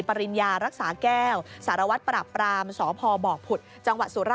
ปริญญารักษาแก้วสารวัตรปรับปรามสพบผุทร